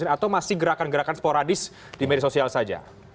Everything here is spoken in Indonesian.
atau masih gerakan gerakan sporadis di media sosial saja